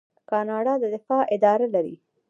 کاناډا د دفاع اداره لري.